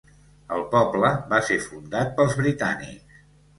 El poble va ser fundat pels britànics.